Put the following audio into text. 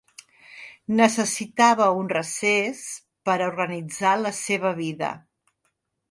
Necessitava un recés per a organitzar la seva vida.